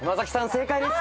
正解です。